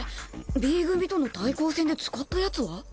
Ｂ組との対抗戦で使ったヤツは？